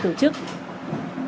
cường tổ chức cá đội bóng đá